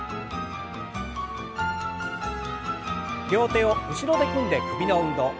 両手を後ろで組んで首の運動。